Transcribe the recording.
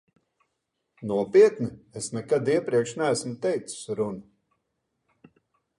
Nopietni, es nekad iepriekš neesmu teicis runu.